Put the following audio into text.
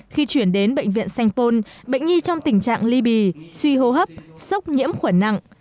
khi chuyển đến bệnh viện sanh pôn bệnh nhi trong tình trạng ly bì suy hô hấp sốc nhiễm khuẩn nặng